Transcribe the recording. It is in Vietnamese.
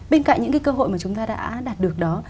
bên cạnh những cái cơ hội mà chúng ta đã đạt được đó